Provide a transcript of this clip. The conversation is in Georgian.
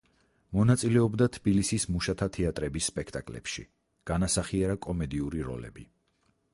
მონაწილეობდა თბილისის მუშათა თეატრების სპექტაკლებში განასახიერა კომედიური როლები.